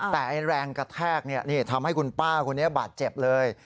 แต่แรงกระแทกทำให้คุณป้าคนนี้บาดเจ็บเลย